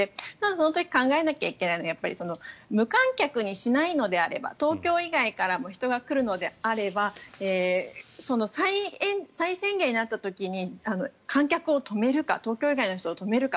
本当に考えなきゃいけないのは無観客にしないのであれば東京以外からも人が来るのであれば再宣言になった時に観客を止めるか東京以外の人を止めるか。